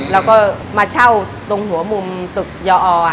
แล้วก็มาเช่าตรงหัวมุมตึกยอ